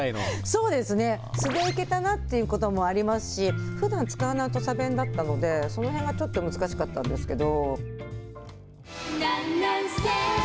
そうですね、素でいけたなって感じもありますし、ふだん使わない土佐弁だったので、そのへんがちょっと難しかったんですけど。